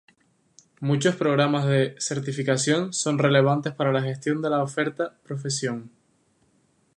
Muchos programas de certificación son relevantes para la gestión de la oferta profesión.